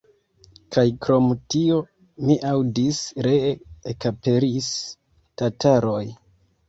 Kaj krom tio, mi aŭdis, ree ekaperis tataroj.